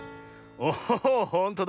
おおほんとだ！